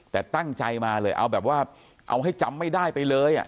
แต่ตั้งใจมาเลยเอาแบบว่าเอาให้จำไม่ได้ไปเลย